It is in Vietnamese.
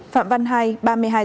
phạm văn hai ba mươi hai tuổi